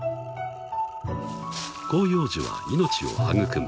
［広葉樹は命を育む］